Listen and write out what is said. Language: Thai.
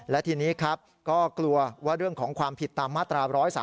และทีนี้ครับก็กลัวว่าเรื่องของความผิดตามมาตรา๑๓